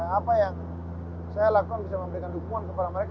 apa yang saya lakukan bisa memberikan dukungan kepada mereka